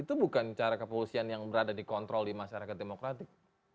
itu bukan cara kepolisian yang berada dikontrol di masyarakat demokratik